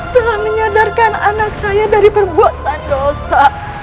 telah menyadarkan anak saya dari perbuatan dosa